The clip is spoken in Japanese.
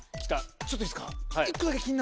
ちょっといいですか。